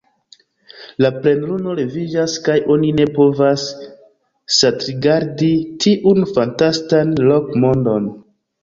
La plenluno leviĝas, kaj oni ne povas satrigardi tiun fantastan rok-mondon.